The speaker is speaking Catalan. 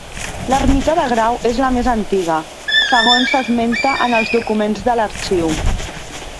L'Ermita de Grau és la més antiga, segons s'esmenta en els documents de l'Arxiu.